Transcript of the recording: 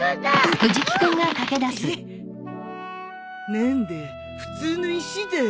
何だ普通の石だ。